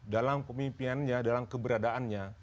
dalam pemimpinannya dalam keberadaannya